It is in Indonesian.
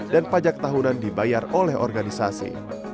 dan pajak tahunan dibayar oleh organisasi